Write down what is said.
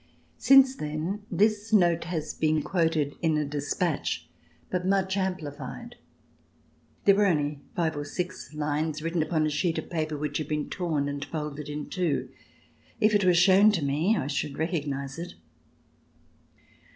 Since then this note has been quoted in a dispatch, but much amplified. There were only five or six lines written across a sheet of paper which had been torn and folded in two. If it w ere shown to me I should recognize It.